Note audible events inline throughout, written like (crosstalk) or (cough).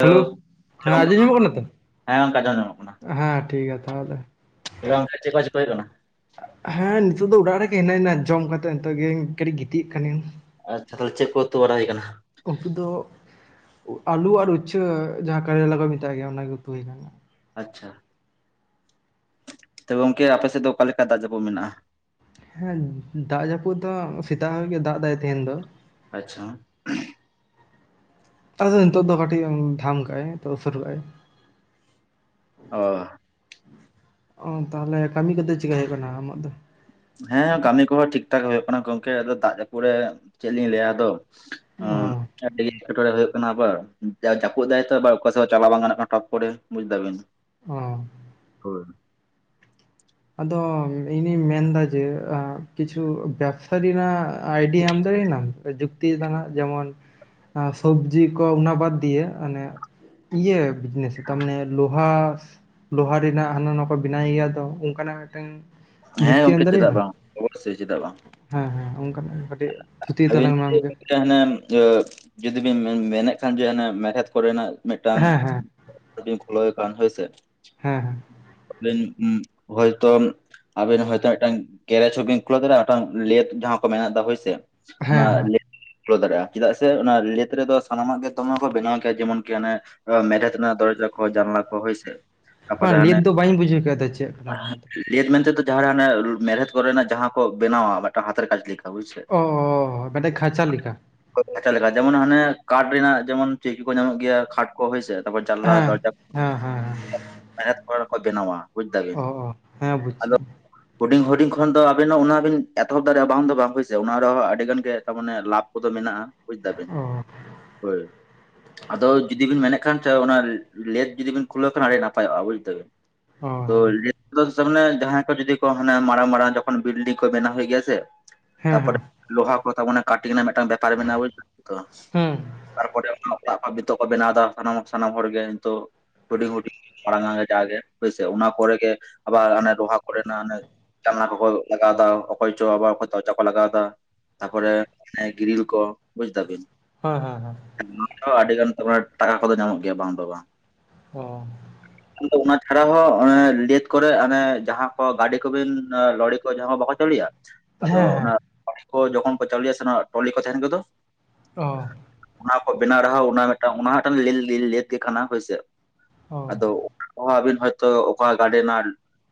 Hello ᱦᱮᱸ ᱟᱸᱡᱚᱢ ᱧᱟᱢᱚᱜ ᱠᱟᱱᱟ ᱛᱚ ᱦᱮᱸ ᱜᱚᱝᱠᱮ ᱟᱸᱡᱚᱢ ᱧᱟᱢᱚᱜ ᱠᱟᱱᱟ ᱦᱮᱸ ᱴᱷᱤᱠ ᱜᱮᱭᱟ ᱛᱟᱦᱚᱞᱮ ᱾ (unintelligible) ᱪᱮᱫ ᱠᱚ ᱪᱤᱠᱟᱹᱭ ᱛᱟᱢᱟ? ᱦᱮᱸ ᱱᱤᱛᱚᱜ ᱫᱚ ᱚᱲᱟᱜ ᱨᱮᱜᱮ ᱦᱤᱱᱟᱹᱧᱟ ᱡᱚᱢ ᱠᱟᱛᱮᱫ ᱱᱤᱛᱚᱜᱮ ᱠᱟᱹᱴᱤᱡ ᱜᱤᱛᱤᱡ ᱠᱟᱱᱟᱹᱧ ᱾ ᱟᱪᱪᱷᱟ ᱛᱟᱦᱚᱞᱮ ᱪᱮᱫ ᱠᱚ ᱩᱛᱩ ᱵᱟᱲᱟ ᱦᱩᱭ ᱟᱠᱟᱱᱟ? ᱩᱛᱩ ᱫᱚ ᱟᱞᱩ ᱟᱨ ᱩᱪᱷᱟᱹ ᱡᱟᱦᱟᱸ ᱠᱟᱨᱮᱞᱟ ᱠᱚ ᱢᱮᱛᱟᱜ ᱜᱮᱭᱟ ᱚᱱᱟᱜᱮ ᱩᱛᱩ ᱦᱩᱭ ᱮᱱᱟ᱾ ᱟᱪᱪᱷᱟ ᱾ ᱛᱚᱵᱮ ᱜᱚᱝᱠᱮ ᱟᱯᱮ ᱥᱮᱫ ᱫᱚ ᱚᱠᱟ ᱞᱮᱠᱟ ᱫᱟᱜ ᱡᱟᱹᱯᱩ ᱢᱮᱱᱟᱜ-ᱟ? ᱦᱮᱸ ᱫᱟᱜ ᱡᱟᱹᱯᱩᱫ ᱫᱚ ᱥᱮᱛᱟᱜ ᱠᱷᱚᱡᱽ ᱜᱮ ᱫᱟᱜ ᱮᱫᱟᱭ ᱛᱟᱦᱮᱧ ᱫᱚ ᱾ ᱟᱪᱪᱷᱟ ᱾ ᱟᱫᱚ ᱱᱤᱛᱚᱜ ᱫᱚ ᱠᱟᱴᱤᱡ ᱮ ᱛᱷᱟᱢ ᱠᱟᱜ- ᱟᱭ ᱱᱤᱛᱚᱜ ᱛᱚ ᱥᱩᱨᱩ ᱟᱭ ᱾ ᱚ᱾ ᱚ ᱛᱟᱦᱞᱮ ᱠᱟᱹᱢᱤ ᱠᱚᱫᱚ ᱪᱤᱜᱠᱟᱹ ᱦᱩᱭᱩᱜ ᱠᱟᱱᱟ ᱟᱢᱟᱜ ᱫᱚ? ᱦᱮᱸ ᱠᱟᱹᱢᱤ ᱠᱚᱦᱚᱸ ᱴᱷᱤᱠ ᱴᱷᱟᱠ ᱦᱩᱭᱩᱜ ᱠᱟᱱᱟ ᱜᱚᱝᱠᱮ ᱟᱫᱚ ᱫᱟᱜ ᱡᱟᱹᱯᱩᱫ ᱨᱮ ᱪᱮᱫ ᱞᱤᱧ ᱞᱟᱹᱭᱟ ᱟᱫᱚ᱾ ᱚᱸ ᱚ᱾ ᱟᱹᱰᱤ ᱮᱴᱠᱚᱬᱮ ᱦᱩᱭᱩᱜ ᱠᱟᱱᱟ ᱵᱟᱝ ᱡᱟ ᱡᱟᱹᱯᱩᱫ ᱫᱟᱭ ᱛᱚ ᱮᱵᱟᱨ ᱚᱠᱟ ᱥᱮᱫ ᱦᱚ ᱪᱟᱞᱟᱣ ᱵᱟᱝ ᱜᱟᱱᱚᱜ ᱠᱟᱱᱟ ᱴᱚᱯ ᱠᱚᱨᱮ ᱵᱩᱡ ᱫᱟᱵᱤᱱ ᱾ ᱦᱚᱸ (inaudible) ᱟᱫᱚ ᱤᱧᱫᱩᱧ ᱢᱮᱱᱫᱟ ᱡᱮ ᱟᱸ ᱠᱤᱪᱷᱩ ᱵᱮᱵ ᱥᱟ ᱫᱤᱭᱮ ᱱᱟᱜ ᱟᱭᱰᱤᱭᱟ ᱮᱢ ᱫᱟᱲᱤᱭᱱᱟᱢ ᱥᱮ ᱡᱩᱠᱛᱤ (unintelligible) ᱡᱮᱢᱚᱱ ᱥᱚᱵᱽᱡᱤ ᱠᱚ ᱚᱱᱟ ᱵᱟᱫᱽ ᱫᱤᱭᱮ ᱚᱱᱮ ᱤᱭᱟᱹ ᱵᱤᱡᱽᱱᱮᱥ ᱛᱟ ᱢᱟᱱᱮ ᱞᱳᱦᱟᱥ ᱞᱳᱦᱟ ᱨᱮᱱᱟᱜ ᱦᱟᱱᱟ ᱱᱟᱣᱟ ᱠᱚ ᱵᱮᱱᱟᱣ ᱜᱮᱭᱟ ᱫᱚ ᱚᱝᱠᱟᱱᱟᱜ ᱢᱮᱜᱴᱟᱝ ᱦᱮᱸ ᱜᱚᱝᱠᱮ ᱪᱮᱫᱟᱜ ᱵᱟᱝ, ᱚᱵᱚᱥᱥᱳᱭ ᱪᱮᱫᱟᱜ ᱵᱟᱝ᱾ ᱦᱮᱸ ᱦᱮᱸ ᱚᱝᱠᱟᱱᱟᱜ ᱚᱝᱠᱟ (inaudible) ᱴᱮ ᱦᱟᱱᱮᱢ ᱤᱭᱟᱹ ᱡᱩᱫᱤ ᱵᱤᱱ ᱢᱮᱱᱮᱜ ᱠᱷᱟᱱ ᱡᱮ ᱢᱮᱬᱦᱮᱫ ᱠᱚᱨᱮᱱᱟᱜ ᱢᱤᱫᱴᱟᱝ ᱦᱮᱸ ᱦᱮᱸ ᱡᱩᱫᱤᱢ ᱠᱷᱩᱞᱟᱹᱣ ᱠᱷᱟᱱ ᱷᱳᱭ ᱥᱮ, ᱦᱮᱸ (unintelligible) ᱦᱳᱭᱛᱚ ᱟᱵᱮᱱ ᱦᱚᱭᱛᱚ ᱢᱤᱫᱴᱟᱝ ᱠᱮᱨᱮᱪ ᱦᱚᱸ ᱵᱤᱱ ᱠᱷᱩᱞᱟᱹᱣ ᱫᱟᱲᱮᱜᱼᱟ, ᱢᱤᱫᱴᱟᱝ ᱞᱮᱫ ᱡᱟᱦᱟᱸ ᱠᱚ ᱢᱮᱱᱮᱫᱟ ᱦᱳᱭᱥᱮ ᱦᱮᱸ ᱚᱱᱟ ᱦᱮᱸ ᱦᱮᱸ ᱞᱮ ᱠᱷᱩᱞᱟᱹ ᱫᱟᱲᱮᱜᱼᱟ ᱪᱮᱫᱟᱜ ᱥᱮ ᱚᱱᱟ ᱞᱮᱫ ᱨᱮᱫᱚ ᱥᱟᱱᱟᱢᱟᱜ ᱜᱮ ᱫᱚᱢᱮ ᱠᱚ ᱵᱮᱱᱟᱣ ᱠᱮᱭᱟ ᱡᱮᱢᱚᱱ ᱠᱤ ᱦᱟᱱᱮ ᱚ ᱢᱮᱨᱮᱫ ᱨᱮᱱᱟᱜ ᱫᱚᱨᱡᱟ ᱠᱚ, ᱡᱟᱱᱞᱟ ᱠᱚ ᱦᱳᱭ ᱥᱮ ᱾ ᱵᱟᱝ ᱞᱮᱫ ᱫᱚ ᱵᱟᱧ ᱵᱩᱡᱷᱟᱹᱣ ᱠᱮᱜᱼᱟ ᱛᱚ, ᱪᱮᱜ ᱠᱟᱱᱟ ᱚᱱᱟ ᱫᱚ? ᱞᱮᱫ ᱢᱮᱱᱛᱮ ᱫᱚ ᱡᱟᱦᱟᱸ ᱨᱮ ᱦᱟᱱᱮ ᱢᱮᱨᱦᱮᱫ ᱠᱚᱨᱮᱱᱟᱜ ᱡᱟᱦᱟᱸ ᱠᱚ ᱵᱮᱱᱟᱣᱟ ᱢᱮᱜᱴᱟᱝ ᱦᱟᱛᱮᱨ ᱠᱟᱡᱽ ᱞᱮᱠᱟ, ᱵᱩᱡᱽ ᱥᱮ? ᱚ ᱢᱟᱱᱮ ᱠᱷᱟᱸᱪᱟ ᱞᱮᱠᱟ? (unintelligible) ᱡᱮᱢᱚᱱ ᱦᱟᱱᱮ ᱠᱟᱴ ᱨᱮᱱᱟᱜ ᱡᱮᱢᱚᱱ ᱪᱟᱹᱭᱠᱤ ᱠᱚ ᱧᱟᱢᱚᱜ ᱜᱮᱭᱟ, ᱠᱷᱟᱴ ᱠᱚ ᱦᱳᱭᱥᱮ ᱛᱟᱨᱯᱚᱨ ᱡᱟᱱᱞᱟ ᱦᱮᱸ ᱫᱚᱨᱡᱟ ᱦᱮᱸ ᱦᱮᱸ ᱦᱮᱸ (inaudible) ᱢᱮᱬᱦᱮᱛ ᱠᱚᱨᱮ ᱠᱚ ᱵᱮᱱᱟᱣᱟ ᱾ ᱵᱩᱡᱽ ᱫᱟᱵᱤᱱ? ᱚ ᱚ ᱦᱮᱸ ᱵᱩᱡᱽ ᱟᱫᱚ ᱠᱮᱫ ᱦᱩᱰᱤᱧ ᱦᱩᱰᱤᱧ ᱠᱷᱚᱱ ᱫᱚ ᱟᱵᱤᱱ ᱦᱚᱸ ᱚᱱᱟ ᱵᱤᱱ ᱮᱛᱚᱦᱚᱵ ᱫᱟᱲᱮᱜᱼᱟ, ᱵᱟᱝ ᱫᱚ ᱵᱟᱝ ᱦᱩᱭ ᱚᱱᱟ ᱨᱮᱦᱚᱸ ᱟᱰᱤ ᱜᱟᱱ ᱜᱮ ᱛᱟᱢᱟᱱᱮ ᱞᱟᱵᱽ ᱠᱚᱫᱚ ᱢᱮᱱᱟᱜᱼᱟ᱾ ᱵᱩᱡᱽ ᱫᱟᱵᱤᱱ? ᱚ ᱦᱳᱭ, ᱟᱫᱚ ᱡᱩᱫᱤ ᱵᱤᱱ ᱢᱮᱱᱮᱜ ᱠᱷᱟᱱ ᱪᱟᱣ ᱚᱱᱟ ᱞᱮᱫ ᱡᱩᱫᱤ ᱵᱤᱱ ᱠᱷᱩᱞᱟᱹᱣ ᱠᱷᱟᱱ ᱟᱰᱤ ᱱᱟᱯᱟᱭᱚᱜᱼᱟ, ᱵᱩᱡ ᱫᱟᱵᱤᱱ? ᱚ ᱛᱚ ᱞᱮ (unintelligible) ᱡᱟᱦᱟᱸᱭ ᱠᱚ ᱡᱩᱫᱤ ᱠᱚ ᱦᱟᱱᱮ ᱢᱟᱨᱟᱝ ᱢᱟᱨᱟᱝ ᱡᱚᱠᱷᱚᱱ ᱵᱤᱞᱰᱤᱝ ᱠᱚ ᱵᱮᱱᱟᱣ ᱦᱩᱭ ᱜᱮᱭᱟ ᱥᱮ᱾ ᱦᱮᱸ ᱛᱟᱯᱚᱨᱮ ᱦᱮᱸ ᱞᱳᱦᱟ ᱠᱚ ᱛᱟ ᱢᱟᱱᱮ ᱠᱟᱴᱤᱝ ᱱᱟᱜ ᱢᱤᱫᱴᱟᱝ ᱵᱮᱯᱟᱨ ᱢᱮᱱᱟᱜᱼᱟ ᱵᱩᱡ ᱦᱩᱸ (inaudible) ᱛᱚᱯᱚᱨᱮ ᱚᱱᱟ (unintelligible) ᱵᱮᱱᱟᱣᱫᱟ ᱥᱟᱱᱟᱢ ᱥᱟᱱᱟᱢ ᱦᱚᱲ ᱜᱮ ᱱᱤᱛᱚᱜ᱾ ᱦᱩᱰᱤᱝ ᱦᱩᱰᱤᱝ ᱢᱟᱲᱟᱝ (unintelligible) ᱡᱟᱜᱮ ᱦᱳᱭ ᱥᱮ, ᱚᱱᱟ ᱠᱚᱨᱮ ᱜᱮ ᱟᱵᱟᱨ ᱨᱚᱦᱟ ᱠᱚᱨᱮᱱᱟᱜ ᱦᱟᱱᱮ ᱡᱟᱞᱱᱟ ᱠᱚᱠᱚ ᱞᱟᱜᱟᱣ ᱫᱟ ᱚᱠᱚᱭ ᱪᱚ ᱟᱵᱟ (inaudible) ᱠᱚ ᱞᱟᱜᱟᱣᱫᱟ, ᱛᱟᱯᱚᱨᱮ ᱟᱱᱮ ᱜᱤᱨᱤᱞ ᱠᱚ ᱵᱩᱡᱷ ᱫᱟ ᱵᱤᱱ᱾ ᱦᱮᱸ ᱦᱮᱸ ᱦᱮᱸ᱾ (unintelligible) ᱟᱹᱰᱤ ᱜᱟᱱ ᱛᱟᱞᱮ ᱴᱟᱠᱟ ᱠᱚᱫᱚ ᱧᱟᱢᱚᱜ ᱜᱮᱭᱟ ᱵᱟᱝ ᱫᱚ ᱵᱟᱝ᱾ ᱚ (inaudible) ᱩᱱᱫᱚ ᱚᱱᱟ ᱪᱷᱟᱲᱟ ᱦᱚᱸ ᱮᱸ ᱞᱮᱫ ᱠᱚᱨᱮ ᱚᱱᱮ ᱡᱟᱦᱟᱸ ᱠᱚ ᱜᱟᱹᱰᱤ ᱠᱚᱵᱤᱱ ᱞᱚᱲᱤ ᱠᱚ ᱡᱟᱦᱟᱸ ᱠᱚ ᱵᱟᱠᱚ ᱪᱚᱞᱩᱭᱟ ᱟᱫᱚ ᱦᱮᱸ ᱚᱱᱟ ᱦᱮᱸ (unintelligible) ᱡᱚᱠᱷᱚᱱ ᱠᱚ ᱪᱟᱹᱞᱩᱭᱟ ᱥᱮ ᱚᱱᱟ ᱴᱚᱞᱤ ᱠᱚ ᱛᱟᱦᱮᱱ ᱜᱮᱫᱚ ᱚ ᱚᱱᱟ ᱠᱚᱠᱚ ᱵᱮᱱᱟᱣ ᱨᱮᱦᱟ ᱚᱱᱟ ᱢᱤᱫᱴᱟᱝ ᱚᱱᱟ ᱢᱤᱫᱴᱟᱝ ᱞᱮᱞ-ᱞᱮᱞ ᱞᱮᱫ ᱜᱮ ᱠᱟᱱᱟ ᱦᱳᱭᱥᱮ᱾ ᱚ ᱟᱫᱚ ᱚᱱᱟ ᱠᱚᱦᱚᱸ ᱟᱹᱵᱤᱱ ᱦᱚᱭᱛᱳ ᱚᱠᱟ ᱜᱟᱹᱰᱮ ᱱᱟᱞ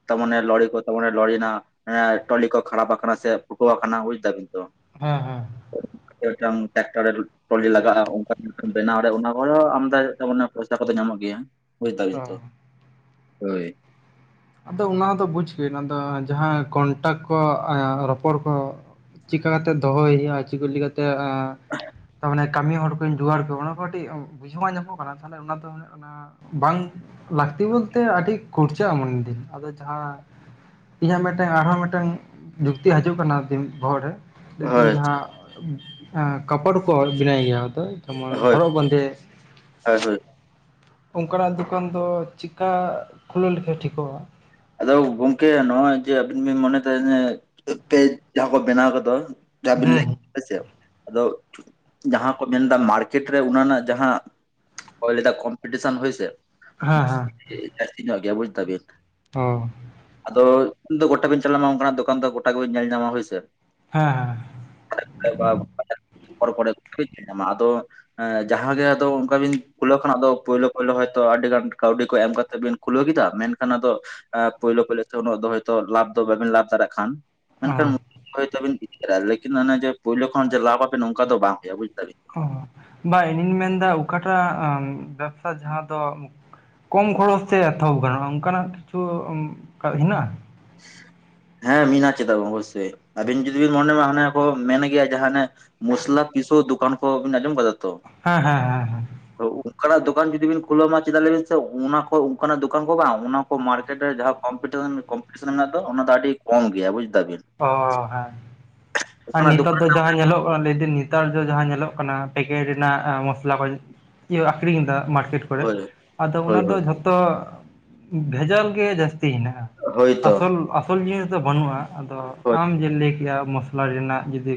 ᱛᱟᱢᱟᱱᱮ ᱞᱚᱲᱤ ᱠᱚ ᱛᱟᱢᱟᱱᱮ ᱞᱚᱲᱤᱱᱟᱜ ᱮᱸ ᱴᱚᱞᱤ ᱠᱚ ᱠᱷᱟᱲᱟᱯ ᱟᱠᱟᱱᱟ ᱥᱮ ᱴᱩᱠᱟᱹᱣᱟ ᱠᱟᱱᱟ ᱵᱩᱡ ᱫᱟᱵᱤᱱ ᱛᱚ᱾ ᱦᱮᱸ ᱦᱮᱸ᱾ (unintelligible) ᱴᱚᱞᱤ (unintelligible) ᱚᱱᱟ ᱠᱚᱨᱮ ᱦᱚᱸ ᱟᱢᱫᱟ ᱛᱟᱢᱟᱱᱮ ᱯᱚᱭᱥᱟ ᱠᱚᱫᱚ ᱧᱟᱢᱚᱜ ᱜᱮᱭᱟ᱾ ᱵᱩᱡᱽ ᱫᱟᱵᱤᱱ ᱚ ᱛᱚ, ᱦᱳᱭ᱾ ᱟᱫᱚ ᱚᱱᱟ ᱫᱚ ᱵᱩᱡᱷᱽ ᱵᱤᱱ ᱟᱫᱚ ᱡᱟᱦᱟᱸ ᱠᱚᱱᱴᱟᱠᱴ ᱠᱚ ᱨᱚᱯᱚᱲ ᱠᱚᱼᱼ ᱪᱤᱠᱟᱹᱜ ᱠᱟᱛᱮ ᱫᱚᱦᱚᱭ ᱦᱩᱭᱩᱜᱼᱟ, ᱪᱤᱠᱟᱹ ᱞᱮᱠᱟᱛᱮᱼᱼ ᱛᱟᱨ ᱢᱟᱱᱮ ᱠᱟᱹᱢᱤ ᱦᱚᱲ ᱠᱚᱧ ᱡᱩᱜᱟᱲ ᱠᱚᱣᱟ, ᱚᱱᱟ ᱠᱚ ᱠᱟᱹᱴᱤᱡ ᱵᱩᱡᱷᱟᱹᱣ ᱧᱟᱢᱚᱜ ᱠᱟᱱᱟ ᱛᱟᱦᱞᱮ ᱚᱱᱟ ᱫᱚᱼᱼ ᱵᱟᱝ ᱞᱟᱹᱠᱛᱤ ᱵᱚᱞᱛᱮ ᱟᱹᱰᱤ ᱠᱷᱚᱨᱪᱟᱜᱼᱟ ᱢᱚᱱᱮᱭ ᱫᱤᱧ ᱟᱫᱚ ᱡᱟᱦᱟᱸ ᱤᱧᱟᱹᱜ ᱢᱤᱫᱴᱟᱝ ᱟᱨᱦᱚᱸ ᱢᱤᱫᱴᱟᱝ ᱡᱩᱠᱛᱤ ᱦᱤᱡᱩᱜ ᱠᱟᱱᱟ ᱫᱤᱱ ᱵᱚᱦᱚᱜ ᱨᱮ᱾ ᱞᱟᱹᱭ ᱫᱟᱹᱧ ᱦᱳᱭ ᱡᱟᱦᱟᱸ ᱠᱟᱯᱚᱲ ᱠᱚ ᱵᱮᱱᱟᱹ ᱜᱮᱭᱟ ᱟᱫᱚ ᱡᱮᱢᱚᱱ ᱦᱳᱭ ᱦᱚᱨᱚᱜ ᱵᱟᱸᱫᱮ (unintelligible) ᱚᱱᱠᱟᱱᱟᱜ ᱫᱚᱠᱟᱱ ᱫᱚ ᱪᱤᱠᱟ ᱠᱷᱩᱞᱟᱹᱣ ᱞᱮᱠᱷᱟᱡ ᱴᱷᱤᱠᱚᱜᱼᱟ? ᱟᱫᱚ ᱜᱚᱢᱠᱮ ᱱᱚᱜᱼᱚᱭ ᱡᱮ ᱟᱵᱤᱱ ᱵᱤᱱ ᱢᱚᱱᱮᱭ ᱫᱟ ᱛᱟᱦᱮ ᱡᱮ ᱯᱮ (unintelligible) ᱠᱚ ᱵᱮᱱᱟᱣ ᱜᱚᱫᱚᱜ-ᱟ᱾ ᱦᱩᱸ (unintelligible) ᱦᱮᱸᱥᱮ ᱟᱫᱚ ᱡᱟᱦᱟᱸ ᱠᱚ ᱢᱮᱱᱫᱟ ᱢᱟᱨᱠᱮᱴ ᱨᱮ ᱚᱱᱟ ᱨᱮᱱᱟᱜ ᱡᱟᱦᱟᱸ (unintelligible) ᱠᱚᱢᱯᱤᱴᱤᱥᱚᱱ ᱦᱳᱭ ᱟᱥᱮ᱾ ᱦᱟ ᱦᱟ᱾ (unintelligible) (unintelligible) ᱚ᱾ ᱟᱫᱚ ᱤᱧ ᱫᱚ ᱜᱚᱴᱟᱜᱤᱧ ᱪᱟᱞᱟᱜ-ᱟ ᱱᱚᱝᱠᱟᱱᱟᱜ ᱫᱚᱠᱟᱱ ᱫᱚ ᱜᱚᱴᱟ ᱜᱮᱵᱤᱱ ᱧᱮᱞ ᱧᱟᱢᱟ ᱦᱳᱭ ᱥᱮ᱾ ᱦᱮᱸ᱾ ᱚᱨ (inaudible) ᱧᱟᱢᱟ ᱟᱫᱚᱼᱼ ᱮᱸ ᱡᱟᱦᱟᱸ ᱜᱮ ᱟᱫᱚ ᱚᱱᱠᱟ ᱵᱤᱱ ᱠᱷᱩᱞᱟᱹᱣ ᱠᱷᱟᱱᱟᱜ ᱟᱫᱚ, ᱯᱳᱭᱞᱳ ᱯᱳᱭᱞᱳ ᱦᱳᱭᱛᱳ ᱟᱹᱰᱤ ᱜᱟᱱ ᱠᱟᱹᱣᱰᱤ ᱠᱚ ᱮᱢ ᱠᱟᱛᱮᱜ ᱵᱤᱱᱼᱼ ᱠᱷᱩᱞᱟᱹᱣ ᱠᱮᱫᱟ ᱢᱮᱱᱠᱷᱟᱱ ᱟᱫᱚᱼᱼ ᱮᱸ ᱯᱳᱭᱞᱳ ᱯᱳᱭᱞᱳ ᱛᱮ ᱩᱱᱟᱹᱜ ᱫᱚ ᱦᱳᱭᱛᱳ ᱞᱟᱵᱷ ᱫᱚ ᱵᱟᱵᱤᱱ ᱞᱟᱵᱷ ᱫᱟᱲᱮᱭᱟᱜ ᱠᱷᱟᱱ ᱚ ᱢᱮᱱᱠᱷᱟᱱᱼᱼ ᱦᱳᱭ ᱛᱚ ᱟᱵᱤᱱ (unintelligible) ᱞᱮᱠᱤᱱ ᱚᱱᱮ ᱡᱮ ᱯᱳᱭᱞᱳ ᱠᱷᱚᱱ ᱡᱮ ᱞᱟᱵᱷ ᱟᱵᱮᱱ ᱚᱱᱠᱟ ᱫᱚ ᱵᱟᱝ ᱦᱩᱭᱩᱜᱼᱟ ᱵᱩᱡᱷ ᱫᱟᱹᱵᱤᱱ᱾ ᱚ ᱵᱟ ᱤᱧᱤᱧ ᱢᱮᱱᱫᱟ ᱚᱠᱟᱴᱟᱜ ᱵᱮᱵᱥᱟ ᱡᱟᱦᱟᱸ ᱫᱚᱼᱼ ᱠᱚᱢ ᱠᱷᱚᱨᱚᱪ ᱛᱮ ᱮᱛᱚᱦᱚᱵ ᱜᱟᱱᱚᱜᱼᱟ, ᱚᱱᱠᱟᱱᱟᱜ ᱠᱤᱪᱷᱩ (unintelligible) ᱦᱮᱱᱟᱜᱼᱟ? ᱦᱮᱸ ᱢᱮᱱᱟᱜ-ᱟ ᱪᱮᱫᱟ ᱵᱚᱱ ᱚᱵᱚᱥᱚᱭ ᱟᱵᱤᱱ ᱡᱩᱫᱤ ᱵᱤᱱ ᱢᱚᱱᱮᱢᱟ ᱦᱟᱱᱮ ᱠᱚ ᱢᱮᱱ ᱜᱮᱭᱟ ᱡᱟᱦᱟᱸᱱᱮᱼᱼ ᱢᱩᱥᱞᱟ ᱯᱤᱥᱟᱹᱣ ᱫᱚᱠᱟᱱ ᱠᱚ ᱵᱤᱱ ᱟᱡᱚᱢ ᱠᱟᱫᱟ ᱛᱚ? ᱦᱮᱸ ᱦᱮᱸ ᱦᱮᱸ ᱦᱮᱸ᱾ ᱛᱚ ᱚᱱᱠᱟᱱᱟᱜ ᱫᱚᱠᱟᱱ ᱡᱩᱫᱤ ᱵᱤᱱ ᱠᱷᱩᱞᱟᱹᱣᱢᱟ ᱪᱮᱫᱟᱜ ᱞᱮᱵᱤᱱ ᱥᱮ, ᱚᱱᱟ ᱠᱚ ᱚᱱᱠᱟᱱᱟᱜ ᱫᱚᱠᱟᱱ ᱠᱚ ᱵᱟᱝ ᱚᱱᱟᱼᱼ ᱢᱟᱨᱠᱮᱴ ᱨᱮ ᱡᱟᱦᱟᱸ ᱠᱚ ᱠᱚᱢᱯᱤᱴᱤᱥᱚᱱ ᱠᱚᱢᱯᱤᱴᱤᱥᱚᱱ ᱢᱮᱱᱟᱜ ᱫᱚ ᱚᱱᱟ ᱫᱚ ᱟᱹᱰᱤ ᱠᱚᱢ ᱜᱮᱭᱟ ᱵᱩᱡᱽ ᱫᱟ ᱵᱤᱱ᱾ ᱚ ᱦᱮᱸ ᱟᱨ ᱱᱤᱛᱚᱜ ᱫᱚᱠᱟᱱ ᱫᱚᱼᱼ ᱱᱤᱛᱚᱜ ᱡᱟᱦᱟᱸ ᱧᱮᱞᱚᱜ (unintelligible) ᱱᱮᱛᱟᱨ ᱡᱟᱸᱦᱟᱸ ᱧᱮᱞᱚᱜ ᱠᱟᱱᱟ ᱯᱮᱠᱮᱴ ᱨᱮᱱᱟᱜ ᱢᱚᱥᱞᱟ ᱠᱚᱼᱼ ᱤᱭᱟᱹ ᱟᱠᱷᱨᱤᱧ ᱫᱟ ᱢᱟᱨᱠᱮᱴᱼᱼ ᱠᱚᱨᱮ ᱦᱳᱭ ᱟᱫᱚ ᱦᱳᱭ ᱚᱱᱟ ᱫᱚ ᱦᱳᱭ ᱡᱷᱚᱛᱚ ᱵᱷᱮᱡᱟᱞ ᱜᱮ ᱡᱟᱹᱥᱛᱤ ᱦᱮᱱᱟᱜᱼᱟ ᱾ ᱦᱳᱭᱛᱚ ᱟᱥᱚᱞ ᱟᱥᱚᱞ ᱡᱤᱱᱤᱥ ᱫᱚ ᱵᱟᱹᱱᱩᱜᱼᱟ ᱾ ᱟᱫᱚ ᱦᱳᱭ ᱟᱢ ᱡᱮ ᱞᱟᱹᱭ ᱠᱮᱜᱼᱟ ᱢᱚᱥᱞᱟ ᱨᱮᱱᱟᱜᱼᱼ ᱡᱩᱫᱤ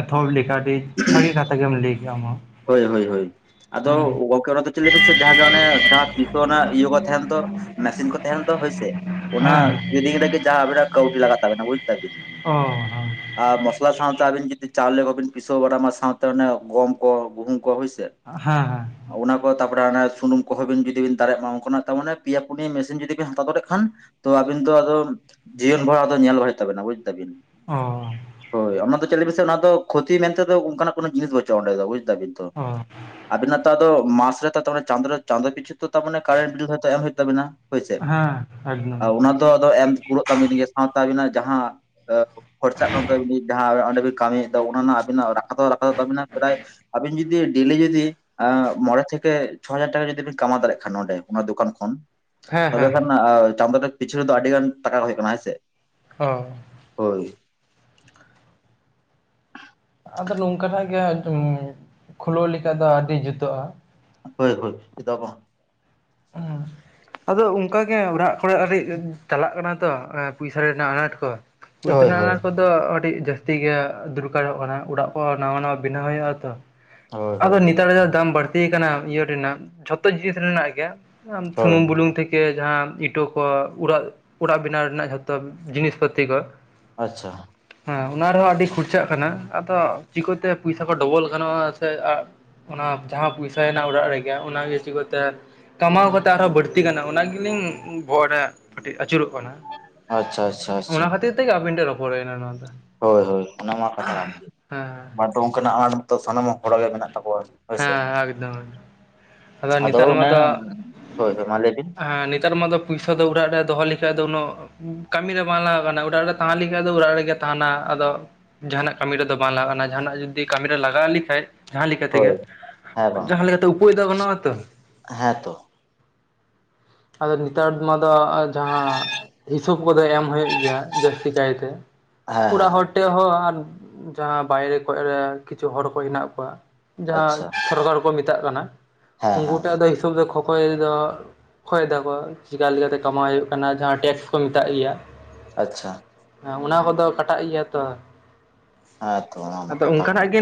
ᱮᱛᱚᱦᱚᱵ ᱞᱮᱠᱟᱜᱮ ᱵᱷᱟᱜᱮ ᱠᱟᱛᱷᱟ ᱜᱮᱢ ᱞᱟᱹᱭ ᱠᱮᱜᱼᱟ ᱟᱢ ᱦᱚᱸ᱾ ᱦᱳᱭ ᱦᱳᱭ ᱦᱳᱭ ᱦᱩᱸ ᱟᱫᱚ ᱜᱟᱢᱠᱮ ᱚᱱᱟ ᱫᱚᱼᱼ ᱞᱟᱹᱭ ᱯᱮᱥᱮᱫ ᱡᱟᱦᱟᱸ ᱜᱮ ᱚᱱᱮ ᱡᱟᱦᱟ ᱯᱤᱯᱟᱹ ᱚᱱᱟ ᱤᱭᱟᱹ ᱠᱚ ᱛᱟᱦᱮᱱ ᱫᱚ ᱢᱮᱥᱤᱱ ᱠᱚ ᱛᱟᱦᱮᱱ ᱫᱚ ᱦᱳᱭᱥᱮ ᱾ ᱦᱮᱸ ᱚᱱᱟ ᱦᱮᱸ ᱠᱤᱨᱤᱧ ᱨᱮᱜᱮ ᱡᱟᱦᱟᱸ ᱟᱵᱤᱱᱤᱜ ᱠᱟᱹᱣᱰᱤ ᱞᱟᱜᱟᱜ ᱛᱟᱵᱤᱱᱟ ᱵᱩᱡᱽ ᱫᱟ ᱵᱤᱱ ᱾ ᱚ ᱦᱚᱸ ᱟᱨ ᱢᱚᱥᱞᱟ ᱥᱟᱶᱛᱮ ᱟᱹᱵᱤᱱ ᱡᱩᱫᱤ ᱪᱟᱣᱞᱮ ᱠᱚᱵᱤᱱ ᱯᱤᱥᱟᱹᱣ ᱚᱱᱟ ᱥᱟᱶᱛᱮ ᱚᱱᱮ ᱜᱚᱢ ᱠᱚ ᱜᱩᱦᱩᱢ ᱠᱚ ᱦᱳᱭᱥᱮ ᱾ ᱟ ᱦᱟᱸ᱾ ᱚᱱᱟ ᱠᱚ ᱛᱟᱨᱯᱚᱨᱮ ᱥᱩᱱᱩᱢ ᱠᱚᱦᱚᱸ ᱵᱤᱱ ᱡᱩᱫᱤ ᱵᱤᱱ ᱫᱟᱨᱮᱜ ᱢᱟ, ᱚᱱᱠᱟᱱᱟᱜ ᱛᱟᱨ ᱢᱟᱱᱮ ᱯᱤᱭᱟ ᱯᱩᱱᱭᱟᱹ ᱢᱮᱥᱤᱱ ᱡᱩᱫᱤ ᱵᱤᱱ ᱦᱟᱛᱟᱣ ᱫᱟᱲᱮᱭᱟᱜ ᱠᱷᱟᱱᱼᱼ ᱛᱚ ᱟᱵᱤᱱ ᱫᱚ ᱟᱫᱚ ᱡᱤᱭᱚᱱ ᱵᱷᱚᱨ ᱟᱫᱚ ᱧᱮᱞ ᱵᱟᱭ ᱦᱩᱭᱩᱜ ᱛᱟᱵᱤᱱᱟ ᱵᱩᱡᱽ ᱫᱟᱵᱤᱱ ᱾ ᱚᱻ ᱦᱳᱭ ᱚᱱᱟ ᱫᱚ ᱪᱮᱫ ᱞᱟᱹᱭ ᱵᱮᱱ ᱥᱮ ᱚᱱᱟ ᱫᱚ ᱠᱷᱚᱛᱤ ᱢᱮᱱᱛᱮ ᱫᱚ ᱚᱱᱠᱟᱱᱟᱜ ᱠᱳᱱᱳ ᱡᱤᱱᱤᱥ ᱵᱟᱪᱩᱜᱼᱟ ᱚᱰᱮ ᱫᱚ ᱵᱩᱡᱽ ᱫᱟ ᱵᱤᱱ ᱛᱚ᱾ ᱚ ᱟᱵᱤᱱᱟᱜ ᱛᱚ ᱟᱫᱚ ᱢᱟᱥ ᱨᱮᱛᱚ ᱪᱟᱸᱫᱳ ᱨᱮ ᱪᱟᱸᱫᱳ ᱯᱤᱪᱷᱩ ᱛᱚ ᱛᱟᱨᱢᱟᱱᱮ ᱠᱟᱨᱮᱱᱴ ᱵᱤᱞ ᱦᱚᱸᱛᱚ ᱮᱢ ᱦᱳᱭᱳᱜ ᱛᱟᱵᱤᱱᱟ᱾ ᱦᱳᱭᱥᱮ ᱦᱮᱸ ᱮᱠᱫᱚᱢ ᱟᱨ ᱚᱱᱟ ᱫᱚ ᱟᱫᱚ ᱮᱢ ᱠᱩᱲᱟᱹᱜ ᱛᱟᱵᱤᱱᱟ ᱥᱟᱶ ᱛᱮ ᱟᱵᱤᱱᱟ ᱡᱟᱦᱟᱸᱼᱼ ᱠᱷᱚᱨᱪᱟᱜ ᱠᱟᱱ (unintelligible) ᱡᱟᱦᱟᱸ ᱚᱱᱮ ᱚᱸᱰᱮ ᱵᱤᱱ ᱠᱟᱹᱢᱤᱭᱮᱜ ᱫᱚ ᱚᱱᱟ ᱨᱮᱱᱟᱜ ᱟᱵᱤᱱᱟᱜ ᱨᱟᱠᱟ ᱫᱚ ᱨᱟᱠᱟᱫᱚᱜ ᱛᱟᱵᱤᱱᱟ᱾ ᱯᱨᱟᱭ ᱟᱵᱤᱱ ᱡᱩᱫᱤ ᱰᱮᱞᱤ ᱡᱩᱫᱤ ᱟᱸᱜ ᱢᱚᱬᱮ ᱛᱷᱮᱠᱮ ᱪᱷᱚ ᱦᱟᱡᱟᱨ ᱴᱟᱠᱟ ᱡᱩᱫᱤ ᱵᱤᱱ ᱠᱟᱢᱟᱣ ᱫᱟᱲᱮᱭᱟᱜ ᱠᱷᱟᱱ ᱱᱚᱰᱮ ᱚᱱᱟ ᱫᱚᱠᱟᱱ ᱠᱷᱚᱱ, ᱦᱮᱸ ᱛᱚᱵᱮ ᱦᱮᱸ ᱠᱷᱟᱱ ᱚᱱᱟ ᱟᱺᱜ ᱪᱟᱸᱫᱳ ᱨᱮ ᱯᱤᱪᱷᱩ ᱨᱮ ᱫᱚ ᱟᱹᱰᱤ ᱜᱟᱱ ᱴᱟᱠᱟ (unintelligible) ᱦᱳᱭᱳᱜ ᱠᱟᱱᱟ ᱦᱮᱸᱥᱮ ᱾ ᱦᱚᱭ᱾ ᱦᱳᱭ᱾ ᱟᱫᱚ ᱱᱚᱝᱠᱟᱱᱟᱜ ᱜᱮ (unintelligible) ᱠᱷᱩᱞᱟᱹᱣ ᱞᱮᱠᱷᱟᱡ ᱫᱚ ᱟᱹᱰᱤ ᱡᱩᱛᱳᱜᱼᱟ᱾ ᱦᱳᱭ ᱦᱳᱭ ᱪᱮᱫᱟᱜ ᱵᱟᱝ ᱾ ᱩᱸ ᱦᱩᱸ ᱟᱫᱚ ᱚᱱᱠᱟ ᱜᱮ ᱚᱲᱟᱜ ᱠᱚᱨᱮ ᱟᱹᱰᱤ ᱪᱟᱞᱟᱜ ᱠᱟᱱᱟ ᱛᱚ ᱮᱸ ᱯᱩᱭᱥᱟ ᱨᱮᱱᱟᱜ ᱟᱱᱟᱴ ᱠᱚ, ᱯᱩᱭᱥᱟᱹ ᱦᱳᱭ ᱨᱮᱱᱟᱜ ᱦᱳᱭ ᱟᱱᱟᱴ ᱠᱚ ᱫᱚ ᱟᱹᱰᱤ ᱡᱟᱹᱥᱛᱤ ᱜᱮ ᱫᱚᱨᱠᱟᱨᱚᱜ ᱠᱟᱱᱟ ᱾ ᱳᱲᱟᱜ ᱠᱚ ᱱᱟᱣᱟ ᱱᱟᱣᱟ ᱵᱮᱱᱟᱣ ᱦᱳᱭᱳᱜᱼᱟ ᱛᱚ ᱦᱳᱭ ᱾ ᱟᱫᱚ ᱦᱳᱭ ᱪᱮᱫᱟᱜ ᱱᱮᱛᱟᱨ ᱵᱟᱝ ᱫᱚ ᱫᱟᱢ ᱵᱟᱹᱲᱛᱤ ᱠᱟᱱᱟ ᱾ ᱤᱭᱟᱹ ᱨᱮᱱᱟᱜ ᱡᱷᱚᱛᱚ ᱡᱤᱱᱤᱥ ᱨᱮᱱᱟᱜ ᱜᱮ, ᱟᱢ ᱦᱳᱭ ᱥᱩᱱᱩᱢ ᱵᱩᱞᱩᱝ ᱛᱷᱮ ᱤᱭᱟᱹ ᱡᱟᱦᱟᱸ ᱤᱴᱳ ᱠᱚ ᱩᱲᱟᱜ ᱚᱲᱟᱜ ᱵᱮᱱᱟᱣ ᱨᱮᱱᱟᱜ ᱡᱷᱚᱛᱚ ᱡᱤᱱᱤᱥ ᱯᱟᱛᱤ ᱠᱚ ᱾ ᱟᱪᱪᱷᱟ᱾ ᱦᱮᱸ ᱚᱱᱟ ᱨᱮᱦᱚᱸ ᱟᱹᱰᱤ ᱠᱷᱚᱨᱪᱟᱜ ᱠᱟᱱᱟ ᱾ ᱟᱫᱚ ᱪᱤᱠᱳᱛᱮ ᱯᱩᱭᱥᱟ ᱠᱚ ᱰᱚᱵᱚᱞ ᱜᱟᱱᱚᱜᱼᱟ, ᱥᱮ ᱟᱜ ᱚᱱᱟ ᱡᱟᱦᱟᱸ ᱯᱩᱭᱥᱟᱭᱮᱱᱟ ᱚᱲᱟᱜ ᱨᱮᱜᱮ ᱚᱱᱟᱜᱮ ᱪᱤᱠᱳᱛᱮ ᱠᱟᱢᱟᱣ ᱠᱟᱛᱮᱜ ᱟᱨ ᱦᱚᱸ ᱵᱟᱹᱲᱛᱤ ᱜᱟᱱᱚᱜᱼᱟ ᱚᱱᱟ ᱜᱮᱞᱤᱧ ᱵᱚᱦᱚᱰᱟᱜ ᱠᱟᱹᱴᱤᱡ ᱟᱹᱪᱩᱨᱚᱜ ᱠᱟᱱᱟ ᱾ ᱟᱪᱪᱷᱟ ᱟᱪᱪᱷᱟ ᱟᱪᱪᱷᱟ᱾ ᱴᱷᱤᱠᱟ ᱟᱵᱤᱱ ᱴᱷᱮᱡᱽ ᱨᱚᱯᱚᱨ ᱦᱩᱭ ᱮᱱᱟ ᱱᱚᱣᱟ ᱫᱚ ᱾ ᱦᱳᱭ ᱦᱳᱭ ᱚᱱᱟ ᱢᱟ ᱠᱟᱛᱷᱟ ᱠᱟᱱ ᱜᱮᱭᱟ ᱾ᱵᱟᱫᱫᱷᱚ ᱚᱱᱠᱟᱱᱟᱜ ᱦᱚᱸᱜ-ᱚᱭ ᱱᱤᱛᱳᱜ ᱥᱟᱱᱟᱢᱚᱜ ᱚᱲᱟᱜ ᱨᱮ ᱢᱮᱱᱟᱜ ᱛᱟᱠᱚᱣᱟ ᱾ ᱦᱮᱸ ᱦᱮᱸ ᱮᱠᱫᱚᱢ᱾ ᱟᱫᱚ ᱱᱮᱛᱟᱨ ᱢᱟ, ᱦᱳᱭ ᱦᱳᱭ ᱢᱟ ᱞᱟᱹᱭ ᱵᱤᱱ ᱦᱮᱸ ᱱᱮᱛᱟᱨ ᱢᱟ ᱫᱚ ᱯᱩᱭᱥᱟ ᱫᱚ ᱚᱲᱟᱜ ᱨᱮ ᱫᱚᱦᱚ ᱞᱮᱠᱷᱟᱡ ᱫᱚ ᱩᱱᱟᱹᱜ ᱠᱟᱹᱢᱤ ᱨᱮ ᱵᱟᱝ ᱞᱟᱜᱟᱜ ᱠᱟᱱᱟ ᱾ ᱩᱲᱟᱜ ᱨᱮ ᱛᱟᱦᱮᱸ ᱞᱮᱠᱟᱡ ᱫᱚ ᱩᱲᱟᱜ ᱨᱮᱜᱮ ᱛᱟᱸᱦᱮᱱᱟ ᱟᱫᱚ ᱡᱟᱦᱟᱱᱟᱜ ᱠᱟᱹᱢᱤ ᱨᱮᱫᱚ ᱵᱟᱝ ᱞᱟᱜᱟᱜ ᱠᱟᱱᱟ ᱡᱟᱦᱟᱱᱟᱜ ᱡᱩᱫᱤ ᱠᱟᱹᱢᱤ ᱨᱮ ᱞᱟᱜᱟᱣ ᱞᱮᱠᱷᱟᱡ ᱡᱟᱦᱟᱸ ᱞᱮᱠᱟ ᱛᱮᱜᱮ? ᱦᱳᱭ ᱦᱮᱸ ᱵᱟᱝ ᱡᱟᱦᱟᱸ ᱞᱮᱠᱟᱛᱮ ᱩᱯᱟᱹᱭ ᱫᱚ ᱜᱟᱱᱚᱜ-ᱟ ᱛᱚ᱾ ᱦᱮᱸ (unintelligible) ᱟᱫᱚ ᱱᱤᱛᱟᱨ ᱢᱟᱫᱚ ᱡᱟᱦᱟᱸ ᱦᱤᱥᱟᱹᱵ ᱠᱚᱫᱚ ᱮᱢ ᱦᱳᱭᱳᱜ ᱜᱮᱭᱟ ᱡᱟᱹᱥᱛᱤ ᱠᱟᱭᱛᱮ᱾ ᱦᱮᱸ ᱩᱲᱟᱜ ᱦᱮᱸ ᱦᱚᱲ ᱴᱷᱮᱡ ᱦᱚᱸ ᱟᱨ ᱡᱟᱦᱟᱸ ᱵᱟᱭᱨᱮ ᱠᱚᱡᱨᱮ ᱠᱤᱪᱷᱩ ᱦᱚᱲ ᱠᱚ ᱦᱮᱱᱟᱜ ᱠᱚᱣᱟ, ᱟᱪᱪᱷᱟ ᱡᱟᱦᱟᱸ ᱥᱚᱨᱠᱟᱨ ᱠᱚ ᱢᱮᱛᱟᱜ ᱠᱟᱱᱟ ᱦᱮᱸ ᱦᱮᱸ ᱩᱱᱠᱩ ᱦᱮᱸ ᱴᱟᱜ ᱫᱚ ᱦᱤᱥᱟᱹᱵ ᱫᱚ ᱠᱷᱚᱠᱚᱭ ᱫᱚ ᱠᱷᱚᱭ ᱫᱟᱠᱚ ᱪᱤᱠᱟ ᱞᱤᱠᱟᱛᱮ ᱠᱟᱢᱟᱣ ᱦᱩᱭᱩᱜ ᱠᱟᱱᱟ ᱡᱟᱦᱟᱸ ᱴᱮᱠᱥ ᱠᱚ ᱢᱮᱛᱟᱜ ᱜᱤᱭᱟ᱾ ᱟᱪᱪᱷᱟ᱾ ᱮᱸ ᱚᱱᱟ ᱠᱚᱫᱚ ᱠᱟᱴᱟᱜ ᱜᱮᱭᱟ ᱛᱚ ᱦᱮᱸ ᱛᱚ ᱚᱱᱟ ᱢᱟ ᱟᱫᱚ ᱠᱟᱛᱷᱟ ᱠᱟᱱ ᱚᱱᱠᱟᱱᱟᱜ ᱜᱮ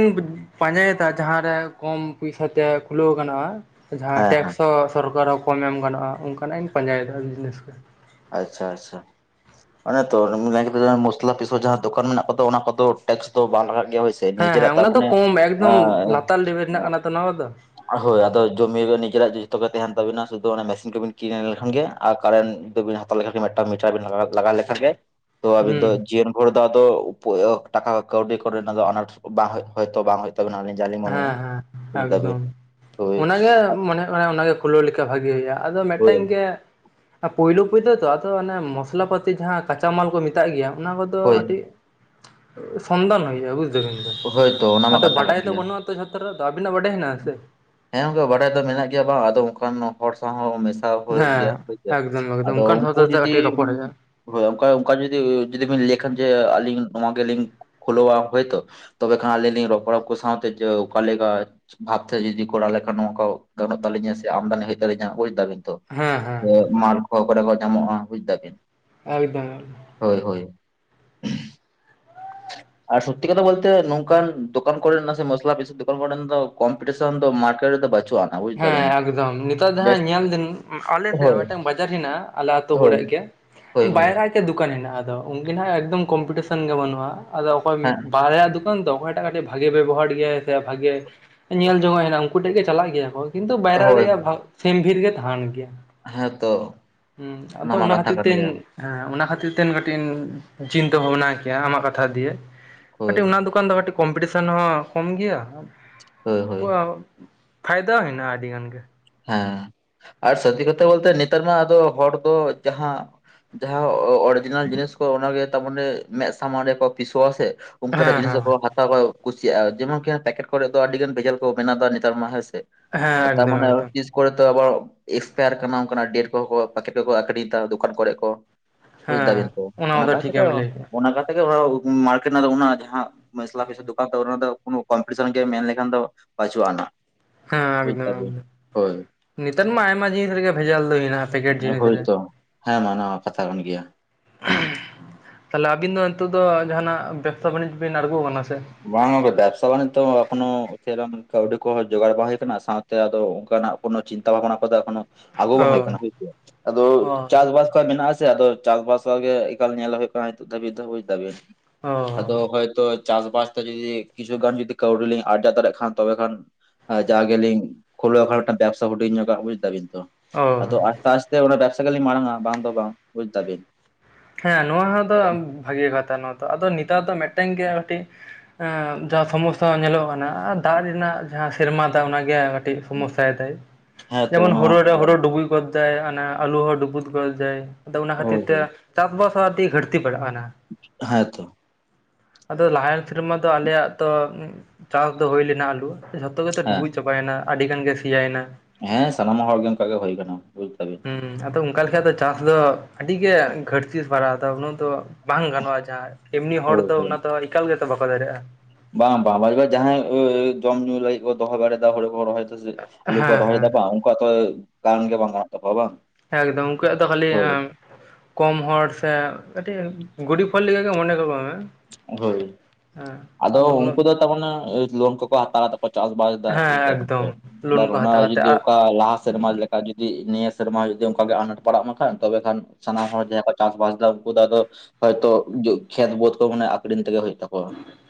ᱯᱟᱸᱡᱟᱭᱮᱫᱟ ᱡᱟᱦᱟᱸ ᱨᱮ ᱠᱚᱢ ᱯᱩᱭᱥᱟ ᱛᱮ ᱠᱷᱩᱞᱟᱹᱣ ᱜᱟᱱᱚᱜᱼᱟ ᱡᱟᱦᱟᱸ ᱦᱮᱸ ᱴᱮᱠᱥ ᱦᱮᱸ ᱦᱚᱸ ᱥᱚᱨᱠᱟᱨ ᱠᱚᱢ ᱮᱢ ᱜᱟᱱᱚᱜᱼᱟ ᱚᱱᱠᱟᱱᱟᱜ ᱤᱧ ᱯᱟᱸᱡᱟᱭᱮᱫᱟ ᱵᱤᱡᱽᱱᱮᱥ ᱠᱚ᱾ ᱟᱪᱪᱷᱟ ᱟᱪᱪᱷᱟ᱾ ᱚᱱᱮ ᱛᱚ (unintelligible) ᱢᱚᱥᱞᱟ ᱯᱤᱥᱚᱹᱣ ᱡᱟᱦᱟᱸ ᱫᱚᱠᱟᱱ ᱢᱮᱱᱟᱜ ᱠᱚ ᱫᱚ ᱚᱱᱟ ᱠᱚ ᱫᱚ ᱴᱮᱠᱥ ᱵᱟᱝ ᱞᱟᱜᱟᱜ ᱜᱮᱭᱟ ᱦᱳᱭ ᱥᱮ᱾ ᱦᱮᱸ ᱱᱤᱡᱮᱨᱟᱜ ᱦᱮᱸ ᱛᱟᱨ ᱩᱱᱟ ᱫᱚ ᱢᱟᱱᱮ ᱠᱚᱢ ᱮᱠᱫᱚᱢ ᱞᱟᱛᱟᱨ ᱞᱮᱵᱮᱞ ᱨᱮᱱᱟᱜ ᱠᱟᱱᱟ ᱛᱚ ᱱᱚᱣᱟ ᱠᱚ ᱫᱚ᱾ ᱦᱳᱭ ᱟᱫᱚ ᱡᱚᱢᱤ ᱨᱮ ᱱᱤᱡᱮᱨᱟᱜ ᱫᱚ ᱡᱷᱚᱛᱚ ᱜᱮ ᱛᱟᱦᱮᱱ ᱛᱟᱵᱤᱱᱟ ᱥᱩᱫᱩ ᱚᱱᱟ ᱢᱮᱥᱤᱱ ᱠᱚᱵᱤᱱ ᱠᱤᱨᱤᱧ ᱞᱮᱠᱷᱟᱱ ᱜᱮ ᱟᱨ ᱠᱟᱨᱮᱱᱴ ᱫᱚᱵᱤᱱ ᱦᱟ ᱛᱟᱣ ᱞᱮᱠᱷᱟᱱ ᱜᱮ ᱢᱤᱫᱟᱝ ᱢᱤᱴᱟᱨ ᱞᱟᱜᱟᱣ ᱞᱮᱠᱷᱟᱱ ᱜᱮ ᱛᱚ ᱟᱵᱤᱱ ᱦᱩᱸ ᱫᱚ ᱡᱤᱭᱚᱱ ᱵᱷᱳᱨ ᱫᱚ ᱟᱫᱚ (unintelligible) ᱴᱟᱠᱟ ᱠᱟᱹᱣᱰᱤ ᱠᱚᱨᱮᱱᱟᱜ ᱫᱚ ᱟᱱᱟᱴ ᱵᱟᱝ ᱦᱳᱭᱳᱜ ᱦᱳᱭ ᱛᱚ ᱵᱟᱝ ᱦᱩᱭᱩᱜ ᱛᱟᱵᱤᱱᱟ ᱟᱱᱤᱡ᱾ ᱡᱟ ᱞᱤᱧ ᱢᱚᱱᱮᱭᱟ ᱦᱮᱸ ᱦᱮᱸ ᱵᱩᱡ ᱫᱟᱵᱤᱱ? ᱮᱠᱫᱚᱢ ᱦᱳᱭ ᱚᱱᱟᱜᱮ ᱢᱟᱱᱮ ᱚᱱᱮ ᱚᱱᱟᱜᱮ ᱠᱷᱩᱞᱟᱹᱣ ᱞᱮᱠᱟ ᱵᱷᱟᱜᱮ ᱦᱩᱭᱩᱜᱼᱟ ᱟᱫᱚ ᱢᱮᱫᱴᱮᱱ ᱦᱳᱭ ᱜᱮ ᱯᱳᱭᱞᱳ ᱯᱳᱭᱞᱳ ᱛᱚ ᱟᱫᱚ ᱢᱚᱥᱞᱟ ᱯᱟᱟᱹᱛᱤ ᱡᱟᱸᱦᱟ ᱪᱟᱢᱟᱞ ᱠᱚ ᱢᱮᱛᱟᱜ ᱜᱮᱭᱟ ᱚᱱᱟ ᱠᱚᱫᱚ ᱦᱳᱭ ᱠᱟᱴᱤᱡ ᱥᱚᱱᱫᱚᱱᱚ ᱦᱩᱭᱩᱜᱼᱟ ᱵᱩᱡᱽ ᱦᱳᱭᱛᱚ ᱚᱱᱟ ᱢᱟ ᱟᱫᱚ ᱠᱟᱛᱷᱟ ᱠᱟᱱ ᱵᱟᱰᱟᱭ ᱫᱚ ᱜᱮᱭᱟ ᱵᱟᱹᱱᱩᱜ ᱟᱛᱚ ᱡᱷᱚᱛᱚ ᱨᱮ ᱫᱚ ᱟᱵᱤᱱᱟᱜ ᱵᱟᱰᱟᱭ ᱦᱮᱱᱟᱜ ᱟ ᱥᱮ ᱦᱮᱸ ᱜᱚᱝᱠᱮ ᱵᱟᱰᱟᱭ ᱫᱚ ᱢᱮᱱᱟᱜ ᱜᱮᱭᱟ ᱵᱟᱝ ᱟᱫᱚ ᱚᱱᱠᱟᱱ ᱦᱚᱲ ᱥᱟᱶ ᱦᱚᱸ ᱢᱮᱥᱟ ᱦᱩᱭᱩᱜ ᱦᱮᱸ ᱜᱮᱭᱟ ᱦᱭᱥᱮ ᱮᱠᱫᱚᱢ ᱮᱠᱫᱚᱢ ᱟᱫᱚ ᱚᱱᱠᱟᱱ ᱦᱚᱲ ᱩᱱᱠᱩ ᱥᱟᱛᱮ ᱡᱩᱫᱤ ᱠᱟᱹᱴᱤᱡ ᱨᱚᱯᱚᱲ ᱦᱩᱭᱩᱜᱼᱟ ᱦᱳᱭ ᱚᱠᱟ ᱚᱠᱟ ᱡᱩᱫᱤ ᱡᱩᱫᱤ ᱵᱤᱱ ᱞᱟᱹᱭ ᱠᱷᱟᱱ ᱡᱮ ᱟᱹᱞᱤᱧ ᱱᱚᱣᱟ ᱜᱮᱞᱤᱧ ᱠᱷᱩᱞᱚᱣᱟ ᱦᱚᱭᱛᱚ ᱛᱚᱵᱮ ᱠᱷᱟᱱ ᱟᱹᱞᱤᱧ ᱞᱤᱧ ᱨᱚᱯᱚᱲ ᱩᱱᱠᱩ ᱠᱚ ᱥᱟᱶ ᱛᱮ ᱡᱮ ᱚᱠᱟᱞ ᱞᱮᱠᱟ ᱵᱷᱵᱛᱮ ᱡᱩᱫᱤ ᱠᱚᱨᱟᱣ ᱞᱮᱠᱷᱟᱱ ᱱᱚᱣᱟ ᱠᱚ ᱜᱟᱱᱚᱜ ᱛᱟᱹᱟᱞᱤᱧᱟ ᱥᱮ ᱟᱢᱫᱟᱱᱤ ᱦᱩᱭᱩᱜ ᱛᱟᱹᱞᱤᱧᱟ ᱵᱩᱡ ᱫᱟᱵᱤᱱ ᱦᱮᱸ ᱦᱮᱸ ᱛᱚᱞᱟᱥ ᱠᱚ ᱚᱠᱟ ᱨᱮ ᱠᱚ ᱧᱟᱢᱚᱜᱼᱟ ᱵᱩᱡᱽ ᱫᱟ ᱵᱤᱱ ᱮᱠᱫᱚᱢ ᱜᱮ ᱦᱳᱭ ᱦᱳᱭ ᱟᱨ ᱥᱚᱛᱛᱤ ᱠᱟᱛᱷᱟ ᱵᱚᱞᱛᱮ ᱱᱚᱝᱠᱟᱱ ᱫᱚᱠᱟᱱ ᱠᱚᱨᱮ ᱥᱮ ᱢᱚᱥᱞᱟ ᱯᱤᱥ ᱫᱚᱠᱟᱱ ᱠᱚᱨᱮᱱᱟᱜ ᱫᱚ ᱠᱚᱢᱯᱤᱴᱤᱥᱚᱱ ᱫᱚ ᱢᱟᱨᱠᱮᱴ ᱨᱮ ᱫᱚ ᱵᱟᱪᱩᱜᱼᱟ ᱟᱱᱟ ᱵᱩᱡ ᱦᱮᱸ ᱫᱟᱵᱤᱱ ᱮᱠᱫᱚᱢ ᱱᱤᱛᱚᱜ ᱫᱚ ᱡᱟᱸᱦᱟ ᱡᱟᱥ ᱧᱮᱞ ᱫᱤᱧ ᱟᱞᱮ ᱥᱮᱫ ᱦᱳᱭ ᱢᱤᱫᱴᱟᱝ ᱵᱟᱡᱟᱨ ᱦᱮᱱᱟᱜ ᱟᱞᱮ ᱟ ᱟᱹᱛᱩ ᱦᱳᱭ ᱠᱚᱨᱮᱜ ᱜᱮ ᱦᱳᱭ ᱦᱳᱭ ᱪᱮᱫ ᱫᱩᱠᱟᱱ ᱦᱮᱱᱟᱜᱼᱟ ᱟᱫᱚ ᱩᱱᱠᱤᱱ ᱮᱠᱫᱚᱢ ᱠᱚᱢᱯᱤᱴᱤᱥᱮᱱ ᱜᱮ ᱵᱟᱹᱱᱩᱜᱼᱟ ᱟᱫᱚ ᱚᱠᱚᱭ ᱦᱮᱸ ᱵᱟᱨᱭᱟ ᱫᱚᱠᱟᱱ ᱵᱟᱝ ᱫᱚ ᱚᱠᱚᱭᱴᱟᱜ ᱠᱟᱹᱴᱤᱡ ᱵᱷᱟᱜᱮ ᱵᱮᱵᱚᱦᱟᱨ ᱜᱮᱭᱟᱭ ᱥᱮ ᱵᱷᱟᱜᱮ ᱧᱮᱞ ᱡᱚᱝᱚᱜ ᱦᱮᱱᱟᱜ ᱩᱱᱠᱩ ᱴᱷᱮᱱ ᱜᱮ ᱪᱟᱞᱟᱜ ᱜᱮᱭᱟ ᱠᱚ ᱠᱤᱱᱛᱩ ᱵᱟᱭᱨᱟᱜ ᱦᱳᱭ ᱨᱮᱭᱟᱜ ᱥᱮᱢ ᱵᱷᱤᱨ ᱜᱮ ᱛᱟᱸᱦᱮᱱ ᱜᱮᱭᱟ ᱦᱮᱸᱛᱚ ᱦᱩᱸ ᱟᱫᱚ ᱢᱟ ᱚᱱᱟ ᱠᱟᱛᱷᱟ ᱠᱷᱟᱹᱛᱤᱨ ᱠᱟᱱ ᱛᱮ ᱦᱮᱸ ᱜᱮᱭᱟ ᱚᱱᱟ ᱠᱷᱟᱹᱛᱤᱨ ᱛᱮ ᱠᱟᱹᱴᱤᱡ ᱤᱧ ᱪᱤᱱᱛᱟᱹ ᱵᱷᱟᱵᱽᱱᱟᱭ ᱠᱮᱭᱟ ᱟᱢᱟᱜ ᱠᱟᱛᱷᱟ ᱫᱤᱭᱮ ᱦᱳᱭ ᱠᱟᱹᱴᱤᱡ ᱚᱱᱟ ᱫᱚ ᱦᱩᱭᱩᱜ ᱠᱟᱱ ᱫᱚ ᱠᱟᱹᱴᱤᱡ ᱠᱚᱢᱯᱤᱴᱤᱥᱮᱱ ᱦᱚᱸ ᱠᱚᱢ ᱜᱮᱭᱟ ᱦᱳᱭ ᱦᱳᱭ ᱛᱟᱝ ᱟᱹᱰᱤ ᱜᱟᱱ ᱜᱮ ᱦᱮᱸ ᱟᱨ ᱥᱟᱹᱛᱛᱤ ᱠᱟᱛᱷᱟ ᱵᱚᱞᱛᱮ ᱱᱮᱛᱟᱨ ᱢᱟ ᱟᱫᱚ ᱦᱚᱲ ᱫᱚ ᱡᱟᱸᱦᱟ ᱡᱟᱸᱦᱟ ᱚᱨᱤᱡᱤᱱᱟᱞ ᱡᱤᱱᱤᱥ ᱠᱚ ᱚᱱᱟ ᱜᱮ ᱛᱟᱨᱢᱚᱱᱮ ᱢᱮᱫ ᱥᱟᱢᱟᱱ ᱨᱮᱠᱚ ᱯᱤᱥᱚᱣᱟᱥ ᱮᱜ ᱚᱱᱠᱟᱱᱟᱜ ᱦᱮᱸ ᱡᱤᱱᱤᱥ ᱫᱚ ᱦᱮᱸ ᱚᱠᱚᱭ ᱦᱚᱸ ᱦᱟᱛᱟᱣ ᱵᱟᱭ ᱠᱩᱥᱤᱭᱟᱜᱼᱟ ᱡᱮᱢᱚᱱᱠᱤ ᱯᱮᱠᱮᱴ ᱠᱚᱨᱮ ᱫᱚ ᱟᱹᱰᱤ ᱜᱟᱱ ᱵᱷᱮᱡᱟᱞ ᱠᱚ ᱵᱮᱣ ᱮᱫᱟ ᱱᱮᱛᱟᱨ ᱢᱟ ᱦᱮᱸ ᱥᱮ ᱦᱮᱸ ᱛᱟᱨ ᱮᱠᱫᱚᱢ ᱢᱟᱱᱮ ᱮᱠᱫᱚᱢ ᱛᱤᱥ ᱠᱚᱨᱮᱜ ᱟᱵᱟᱨ ᱮᱠᱥᱯᱟᱭᱟᱨ ᱠᱟᱱᱟ ᱚᱱᱠᱟᱱᱜ ᱰᱮᱴ ᱠᱚ ᱯᱮᱠᱮᱴ ᱠᱚᱨᱮᱜ ᱠᱚ ᱟᱹᱠᱷᱨᱤᱧ ᱫᱟ ᱫᱚᱠᱟᱱ ᱠᱚᱨᱮᱜ ᱠᱚ ᱟᱫᱚ ᱵᱩᱡᱽ ᱫᱟᱵᱤᱱ ᱦᱮᱸ ᱛᱚ ᱚᱱᱟ ᱢᱟᱛᱚ ᱚᱱᱟᱛᱜᱮ ᱴᱷᱤᱠᱮᱢ ᱞᱟᱹᱭ ᱠᱮᱫᱟ ᱚᱱᱟ ᱠᱟᱛᱮᱜ ᱜᱮ ᱚᱱᱟ ᱢᱟᱨᱠᱮᱴ ᱨᱮᱱᱟᱜ ᱫᱚ ᱚᱱᱟ ᱡᱟᱸᱦᱟ ᱢᱚᱥᱽᱞᱟ ᱯᱷᱟᱥᱤ ᱫᱚᱠᱟᱱ ᱠᱷᱚᱱ ᱠᱚᱢᱯᱤᱴᱤᱥᱚᱱ ᱜᱮ ᱢᱮᱱ ᱞᱮᱠᱷᱟᱱ ᱫᱚ ᱵᱟᱹᱪᱩᱜ ᱟᱱᱟ ᱦᱮᱸ ᱵᱩᱡ ᱮᱠᱫᱚᱢ ᱫᱟᱵᱤᱱ ᱦᱳᱭ ᱱᱮᱛᱟᱨ ᱢᱟ ᱟᱭᱢᱟ ᱡᱤᱱᱤᱥ ᱨᱮᱜᱮ ᱵᱷᱮᱡᱟᱞ ᱫᱚ ᱦᱩᱭᱮᱱᱟ ᱯᱮᱠᱮᱴ ᱡᱤᱱᱤᱥ ᱦᱳᱭ ᱨᱮ ᱛᱚ ᱦᱮᱸ ᱢᱟ ᱱᱚᱣᱟ ᱦᱚᱸ ᱠᱟᱛᱷᱟ ᱠᱟᱱ ᱜᱮᱭᱟ ᱛᱟᱞᱮ ᱟᱹᱵᱤᱱ ᱫᱚ ᱱᱤᱛᱚᱜᱜ ᱫᱚ ᱡᱟᱦᱟᱱᱟᱜ ᱵᱮᱵᱽᱥᱟ ᱵᱟᱹᱱᱤᱡᱽ ᱵᱤᱱ ᱟᱬᱜᱚ ᱠᱟᱱᱟ ᱥᱮ? ᱵᱟᱝᱼᱟ ᱵᱮᱵᱽᱥᱟ ᱵᱟᱱᱤᱡᱽ ᱫᱚ ᱮᱠᱷᱚᱱᱳ ᱠᱟᱹᱣᱰᱤ ᱠᱚᱸᱦᱚ ᱡᱚᱜᱟᱲ ᱵᱟᱝ ᱦᱩᱭ ᱠᱟᱱᱟ ᱥᱟᱶ ᱛᱮ ᱟᱫᱚ ᱚᱱᱠᱟᱱᱟᱜ ᱠᱚᱱᱚ ᱪᱤᱱᱛᱛᱟ ᱵᱷᱟᱵᱽᱱᱟ ᱠᱚᱫᱟ ᱮᱠᱷᱚᱱᱚ ᱟᱜᱩ ᱵᱟᱝ ᱚ ᱦᱩᱭ ᱠᱟᱱᱟ ᱦᱚᱭ ᱥᱮ ᱟᱫᱚ ᱚ ᱪᱟᱥ-ᱵᱟᱥ ᱠᱚ ᱢᱮᱱᱟᱜ-ᱟ ᱦᱳᱭ ᱥᱮ ᱟᱫᱚ ᱪᱟᱥ ᱵᱟᱥ ᱠᱚ ᱜᱮ ᱮᱠᱟᱞ ᱧᱮᱞ ᱦᱩᱭᱩᱜ ᱠᱟᱱᱟ ᱵᱩᱡᱽ ᱫᱟᱹᱵᱤᱡ ᱚ ᱟᱫᱚ ᱦᱚᱭᱛᱚ ᱪᱟᱥ-ᱵᱟᱥ ᱡᱩᱫᱤ ᱠᱤᱪᱷᱩ ᱜᱟᱱ ᱡᱩᱫᱤ ᱠᱤᱪᱷᱩ ᱜᱟᱱ ᱠᱟᱣᱰᱤ ᱞᱤᱧ ᱟᱨᱡᱟᱣ ᱫᱟᱲᱮᱭᱟᱜ ᱠᱷᱟᱱ ᱛᱚᱵᱮ ᱠᱷᱟᱱ ᱡᱟ ᱜᱮᱞᱤᱝ ᱠᱷᱳᱩᱞᱣ ᱠᱷᱟᱱ ᱵᱮᱵᱥᱟ ᱦᱩᱰᱤᱧ ᱧᱚᱜᱟᱜ ᱵᱩᱡᱽ ᱫᱟᱵᱤᱱ ᱛᱚ ᱚ ᱟᱫᱚ ᱥᱟᱥᱛᱮ ᱚᱱᱟ ᱵᱮᱵᱽᱥᱟ ᱜᱮᱞᱤᱧ ᱢᱟᱲᱟᱝᱟ ᱵᱟᱝ ᱫᱚ ᱵᱟᱝ ᱵᱩᱡ ᱫᱟᱹᱵᱤᱱ ᱦᱮᱸ ᱱᱚᱣᱟ ᱫᱚ ᱵᱷᱟᱜᱮ ᱠᱟᱛᱷᱟ ᱱᱚᱣᱟ ᱫᱚ ᱟᱫᱚ ᱱᱮᱛᱟᱨ ᱫᱚ ᱢᱤᱫᱴᱮᱱ ᱜᱮ ᱟᱨ ᱠᱤ ᱮ ᱡᱟᱸᱦᱟ ᱥᱚᱢᱚᱥᱥᱟ ᱧᱮᱞᱚᱜ ᱠᱟᱱᱟ ᱫᱟᱜ ᱨᱮᱱᱟᱜ ᱡᱟᱸᱦᱟ ᱥᱮᱨᱢᱟ ᱫᱟᱜ ᱚᱱᱟ ᱜᱮ ᱟᱨ ᱟᱰᱤ ᱥᱚᱢᱚᱥᱥᱟᱭ ᱫᱟᱭ ᱦᱮᱸ ᱛᱚ ᱡᱮᱢᱚᱱ ᱚᱱᱟ ᱢᱟ ᱦᱩᱲᱩ ᱨᱮ ᱠᱟᱛᱷᱟ ᱠᱟᱱ ᱦᱩᱲᱩ ᱜᱮ ᱰᱩᱵᱩᱭ ᱜᱚᱫᱟᱭ ᱚᱱᱟ ᱟᱞᱩ ᱦᱚᱸ ᱰᱩᱵᱩᱫ ᱜᱚᱫ ᱫᱟᱭ ᱟᱫᱚ ᱚᱱᱟ ᱦᱳᱭ ᱠᱷᱟᱹᱛᱤᱨ ᱛᱮ ᱦᱳᱭ ᱪᱟᱥ-ᱵᱟᱥ ᱦᱚᱸ ᱟᱹᱰᱤ ᱜᱷᱴᱛᱤ ᱯᱟᱲᱟᱜᱼᱟ ᱠᱟᱱᱟ᱾ ᱦᱮᱸᱛᱚ᱾ ᱟᱫᱚ ᱞᱟᱦᱟᱱ ᱥᱮᱨᱢᱟ ᱫᱚ ᱟᱞᱮᱭᱟᱜ ᱫᱚ ᱪᱟᱥ ᱫᱚ ᱦᱩᱭ ᱞᱮᱱᱟ ᱟᱹᱞᱩ ᱡᱷᱚᱛᱚ ᱜᱮᱛᱚ ᱦᱮᱸ ᱰᱩᱵᱩᱡ ᱪᱟᱵᱟᱭᱮᱱᱟ ᱟᱹᱰᱤ ᱜᱟᱱ ᱜᱮ ᱥᱮᱭᱟᱭᱱᱟ᱾ ᱦᱮᱸ ᱥᱟᱱᱟᱢ ᱦᱚᱲ ᱜᱮ ᱚᱱᱠᱟ ᱜᱮ ᱦᱩᱭ ᱠᱟᱱᱟ ᱵᱩᱡ ᱫᱟᱹᱵᱤᱱ᱾ ᱦᱩᱸ ᱟᱫᱚ ᱚᱝᱠᱟ ᱞᱮᱠᱷᱟ ᱫᱚ ᱪᱟᱥ ᱫᱚ ᱟᱹᱰᱤ ᱜᱮ ᱜᱷᱟᱹᱲᱛᱤ ᱯᱟᱲᱟᱜᱼᱟ ᱩᱱᱟᱹᱜ ᱫᱚ ᱵᱟᱝ ᱜᱟᱱᱚᱜᱼᱟ ᱡᱟᱦᱟᱸ ᱮᱢᱱᱤ ᱦᱚᱲ ᱦᱳᱭ ᱫᱚ ᱦᱳᱭ᱾ ᱚᱱᱟ ᱫᱚ ᱮᱠᱟᱞ ᱜᱮᱛᱚ ᱵᱟᱠᱚ ᱫᱟᱲᱮᱭᱟᱜᱼᱟ᱾ ᱵᱟᱝ ᱵᱟᱝ ᱡᱟᱦᱟᱸᱭ ᱡᱚᱢ ᱧᱩ ᱞᱟᱹᱜᱤᱫ ᱠᱚ ᱫᱚᱦᱚ ᱵᱟᱲᱮᱫᱟ ᱦᱚᱲ ᱠᱚ ᱨᱚᱦᱚᱭ (unintelligible) ᱟᱞᱤ ᱠᱚ ᱦᱮᱸ ᱨᱚᱦᱚᱭ ᱫᱟ ᱠᱚ ᱦᱮᱸ ᱩᱝᱠᱩᱣᱟᱜ ᱛᱚ ᱠᱟᱨᱚᱱ ᱜᱮ ᱵᱟᱝ ᱜᱟᱱᱚᱜ ᱛᱟᱠᱚᱣᱟ ᱵᱟᱝ᱾ ᱮᱠᱫᱚᱢ ᱩᱱᱠᱩᱭᱟᱜ ᱫᱚ ᱠᱷᱟᱹᱞᱤ ᱦᱳᱭ᱾ ᱟᱢ ᱠᱚᱢ ᱦᱚᱲ ᱥᱮ ᱜᱩᱰᱤ ᱯᱷᱚᱞ ᱞᱮᱜᱟ ᱜᱮ ᱢᱚᱱᱮ ᱫᱚ ᱵᱟᱝᱼᱟ᱾ ᱦᱳᱭ᱾ ᱟᱫᱚ ᱩᱱᱟᱹᱜ ᱩᱝᱠᱩ ᱫᱚ ᱛᱟᱵᱚᱱᱟ ᱞᱳᱱ ᱠᱚᱠᱚ ᱦᱟᱛᱟᱣᱟᱠᱚ ᱪᱟᱥ-ᱵᱟᱥ ᱫᱟ ᱵᱩᱡ ᱦᱮᱸ ᱫᱟᱹᱵᱤᱱ ᱫᱚ ᱮᱠᱫᱚᱢ ᱾ ᱟᱵᱟᱨ ᱞᱳᱱ ᱠᱚ ᱚᱱᱟ ᱦᱟᱛᱟᱣ ᱠᱟᱛᱮ ᱡᱚᱫᱤ ᱚᱠᱟ ᱟᱜ ᱞᱟᱦᱟ ᱥᱮᱨᱢᱟ ᱞᱮᱠᱟ ᱡᱩᱫᱤ ᱱᱤᱭᱟᱹ ᱥᱮᱨᱢᱟ ᱡᱩᱫᱤ ᱚᱱᱠᱮ ᱟᱱᱟᱴ ᱯᱟᱲᱟᱜ ᱢᱟ ᱠᱷᱟᱱ ᱛᱚᱵᱮ ᱠᱷᱟᱱ ᱥᱟᱱᱟᱢ ᱦᱚᱲ ᱡᱟᱦᱟᱸᱭ ᱠᱚ ᱪᱟᱥ-ᱵᱟᱥ ᱮᱫᱟ ᱩᱱᱠᱩ ᱫᱚ ᱟᱫᱚ ᱦᱚᱭᱛᱳ ᱠᱷᱮᱛ ᱵᱳᱫ ᱠᱚ ᱢᱟᱱᱮ ᱟᱹᱠᱷᱨᱤᱧ ᱛᱮᱜᱮ ᱦᱳᱭᱳᱜ ᱛᱟᱠᱚᱣᱟ᱾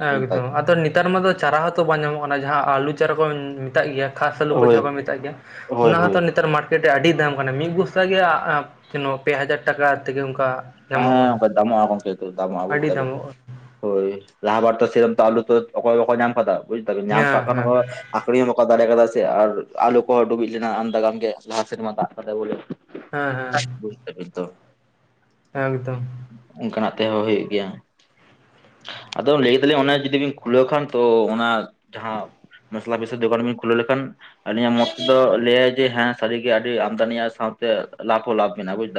ᱵᱩᱡᱽ ᱮᱠᱫᱚᱢ ᱫᱟᱵᱤᱱ᱾ ᱟᱫᱚ ᱱᱮᱛᱟᱨ ᱢᱟ ᱫᱚ ᱪᱟᱨᱟ ᱦᱚᱸᱛᱚ ᱵᱟᱝ ᱧᱟᱢᱚᱜ ᱠᱟᱱᱟ ᱡᱟᱦᱟᱸ ᱟᱞᱩ ᱪᱟᱨᱟ ᱠᱚ ᱢᱮᱛᱟᱜ ᱜᱮᱭᱟ᱾ ᱠᱷᱟᱥ ᱟᱹᱞᱩ ᱠᱚ ᱦᱳᱭ ᱡᱟᱦᱟᱸ ᱠᱚ ᱢᱮᱛᱟᱜ ᱜᱮᱭᱟ ᱦᱳᱭ ᱚᱱᱟ ᱦᱳᱭ᱾ ᱦᱚᱸᱛᱚ ᱱᱮᱛᱟᱨ ᱢᱟᱴ ᱟᱰᱤ ᱫᱟᱢ ᱟᱠᱟᱱᱟ ᱢᱤᱫ ᱵᱚᱥᱛᱟ ᱜᱮ ᱡᱮᱱᱚ ᱯᱮ ᱦᱟᱡᱟᱨ ᱴᱟᱠᱟ ᱛᱮᱜᱮ ᱚᱝᱠᱟ᱾ ᱦᱮᱸ ᱚᱝᱠᱟ ᱫᱟᱢᱚᱠ ᱟ ᱜᱚᱝᱠᱮ ᱫᱟᱢᱚᱡᱟ ᱵᱩᱡ ᱟᱹᱰᱤ ᱫᱟᱹᱵᱤᱱ ᱫᱟᱢᱚᱜ ᱾ ᱦᱳᱭ ᱞᱟᱦᱟ ᱵᱟᱨ ᱛᱚ ᱥᱮᱨᱚᱢ ᱛᱚ ᱟᱞᱩ ᱚᱠᱚᱭ ᱚᱠᱚᱭ ᱧᱟᱢ ᱠᱟᱫᱟ ᱵᱩᱡ ᱛᱟᱵᱮᱱ ᱧᱟᱢ ᱠᱟᱱᱟ᱾ ᱠᱟᱜ ᱦᱮᱸ ᱠᱷᱟᱱ ᱦᱮᱸ ᱟᱹᱠᱷᱨᱤᱧ ᱦᱚᱸ ᱵᱟᱠᱚ ᱫᱟᱲᱮ ᱠᱟᱫᱟ ᱥᱮ ᱟᱨ ᱟᱞᱚ ᱠᱚᱦᱚᱸ ᱰᱩᱵᱩᱡ ᱞᱮᱱᱟ ᱟᱢᱫᱟᱜᱟᱱ ᱜᱮ ᱞᱟᱦᱟ ᱥᱮᱫᱢᱟ ᱫᱟᱜ ᱠᱟᱫᱟᱭ ᱵᱚᱞᱮ ᱦᱮᱸ ᱵᱩᱡ ᱫᱟᱹᱵᱤᱱ ᱛᱚ᱾ ᱮᱠᱫᱚᱢ ᱚᱝᱠᱟᱱᱟᱜ ᱛᱮᱦᱚᱸ ᱦᱳᱭᱳᱜ ᱜᱤᱭᱟ᱾ ᱟᱫᱚ ᱞᱟᱹᱭᱫᱟᱞᱤᱧ ᱚᱱᱟ ᱡᱩᱚᱫᱤ ᱵᱮᱤᱱ ᱠᱷᱩᱞᱟᱹᱣ ᱠᱷᱟᱱ ᱛᱚ ᱚᱱᱟ ᱡᱟᱦᱟᱸ ᱢᱚᱥᱞᱟ ᱯᱷᱚᱥᱟ ᱫᱚᱠᱟᱱ ᱵᱮᱱ ᱠᱷᱩᱞᱟᱹᱣ ᱞᱮᱠᱷᱟᱱ ᱟᱹᱞᱤᱟᱜ ᱢᱚᱛ ᱛᱮᱫᱚ ᱞᱟᱹᱭᱟᱭ ᱡᱮ ᱦᱮᱸ ᱥᱟᱹᱨᱤᱜᱮ ᱟᱹᱰᱤ ᱟᱢᱫᱟᱱᱤᱭᱟᱜ ᱥᱟᱶᱛᱮ ᱞᱟᱵᱷ ᱦᱚᱸ ᱞᱟᱵᱷ ᱢᱮᱱᱟᱜᱼᱟ ᱵᱩᱡ ᱫᱟᱢ᱾